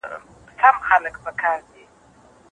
مراقبه د تمرکز غوره تمرین دی.